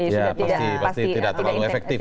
ya pasti tidak terlalu efektif ya